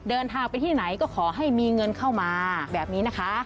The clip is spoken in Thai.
เดินทางไปที่ไหนก็ขอให้มีเงินเข้ามาแบบนี้นะคะ